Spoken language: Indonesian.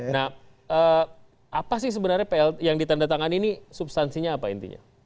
nah apa sih sebenarnya yang ditandatangan ini substansinya apa intinya